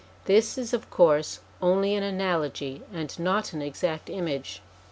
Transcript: This is, of course, only an analogy, and not an exact image.